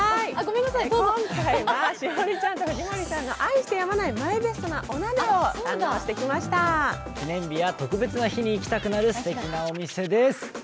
今回は栞里ちゃんと藤森さんが愛してやまないＭＹＢＥＳＴなお鍋を堪能してきました記念日や特別な日に行きたくなるすてきなお店です。